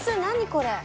何？